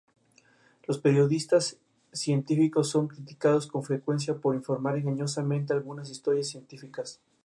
Moneo sigue siendo considerado por numerosas personas uno de los grandes arquitectos españoles contemporáneos.